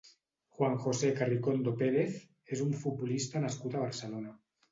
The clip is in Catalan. Juan José Carricondo Pérez és un futbolista nascut a Barcelona.